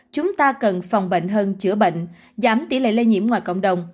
chúng ta cần phòng bệnh hơn chữa bệnh giảm tỷ lệ lây nhiễm ngoài cộng đồng